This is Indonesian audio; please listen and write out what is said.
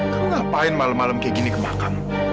kamu ngapain malem malem kayak gini ke makam